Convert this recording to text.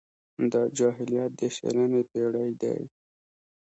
دا جاهلیت د شلمې پېړۍ دی.